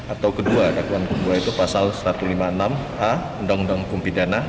atau kedua dakwaan kedua itu pasal satu ratus lima puluh enam a undang undang hukum pidana